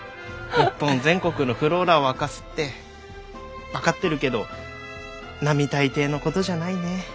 日本全国のｆｌｏｒａを明かすって分かってるけど並大抵のことじゃないね。